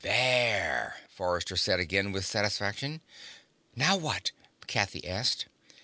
"There," Forrester said again with satisfaction. "Now what?" Kathy asked.